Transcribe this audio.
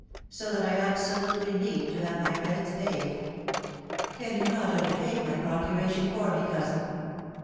So that I absolutely need to have my credits paid. Can you not undertake my procuration for me, cousin